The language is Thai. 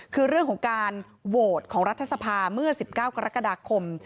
คือเรื่องของการโหวตของรัฐสภาเมื่อ๑๙กรกฎาคม